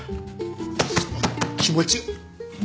その気持ち。